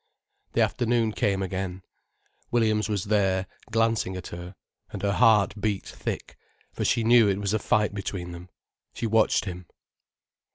The afternoon came again. Williams was there, glancing at her, and her heart beat thick, for she knew it was a fight between them. She watched him.